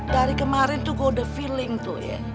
dari kemarin tuh gue udah feeling tuh ya